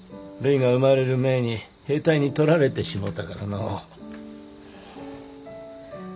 るいが生まれる前に兵隊に取られてしもうたからのう。